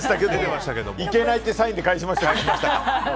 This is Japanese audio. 行けないっていうサインで返しましたよ。